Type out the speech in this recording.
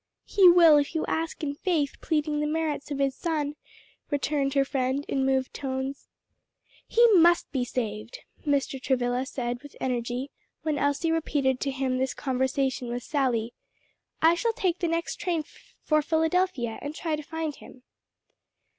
"He will if you ask in faith pleading the merits of his Son," returned her friend in moved tones. "He must be saved!" Mr. Travilla said with energy, when Elsie repeated to him this conversation with Sally. "I shall take the next train for Philadelphia and try to find him."